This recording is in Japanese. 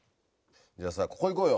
じゃあさここ行こうよ。